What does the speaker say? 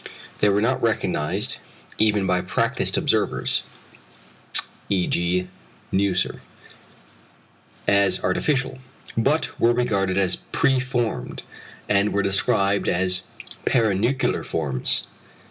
They were not recognised, even by practised observers (e.g. Neusser) as artificial, but were regarded as preformed, and were described as perinuclear forms.